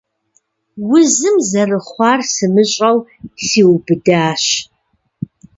Узым, зэрыхъуар сымыщӀэу, сиубыдащ.